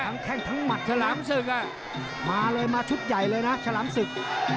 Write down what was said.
แข้งทั้งหมัดฉลามศึกมาเลยมาชุดใหญ่เลยนะฉลามศึก